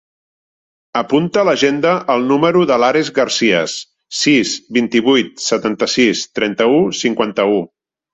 Apunta a l'agenda el número de l'Ares Garcias: sis, vint-i-vuit, setanta-sis, trenta-u, cinquanta-u.